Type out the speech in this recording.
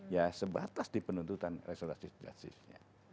ya sebatas di penuntutan resolusi justice